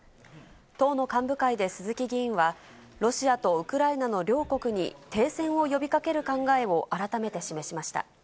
党の幹部会で鈴木議員は、ロシアとウクライナの両国に、停戦を呼びかける考えを改めて示しました。